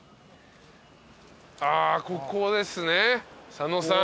あここですね佐野さん。